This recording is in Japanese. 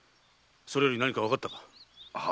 それより何かわかったか？